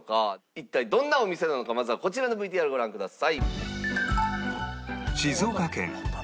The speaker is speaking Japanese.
一体どんなお店なのかまずはこちらのＶＴＲご覧ください。